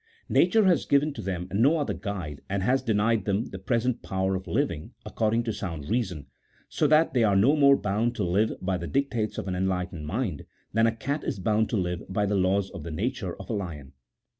Nature has given them no other guide, and has denied them the present power of living according to sound reason; so that they are no more bound to live by the dictates of an enlightened mind, than a cat is bound to live by the laws of the nature of a lion.